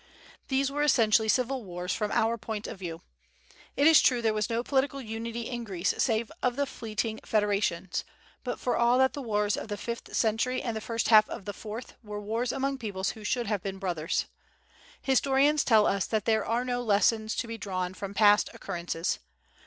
These were essentially civil wars from our point of view. It is true there was no political unity in Greece, save of the fleeting federations; but for all that the wars of the fifth century and the first half of the fourth were wars among peoples who should have been brothers. Historians tell us that there are no "lessons" to be drawn from past occurrences.